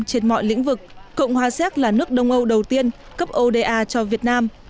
trên mọi lĩnh vực cộng hòa xéc là nước đông âu đầu tiên cấp oda cho việt nam